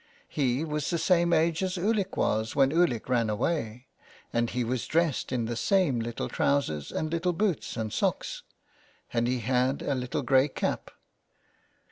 He was the same age as Ulick was when Ulick ran away, and he was dressed in the same little trousers and little boots and socks, and he had a little grey cap.